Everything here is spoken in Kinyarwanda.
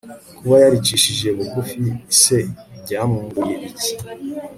kuba yaricishije bugufi se, byamwunguye iki